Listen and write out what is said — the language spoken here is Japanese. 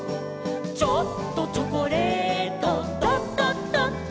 「ちょっとチョコレート」「ドドドド」